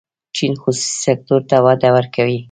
چین خصوصي سکتور ته وده ورکوي.